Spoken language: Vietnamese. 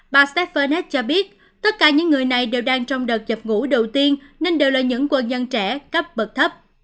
bà sternat cho biết tất cả những người này đều đang trong đợt dập ngủ đầu tiên nên đều là những quân nhân trẻ cấp bậc thấp